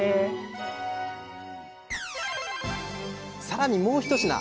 さらにもう一品。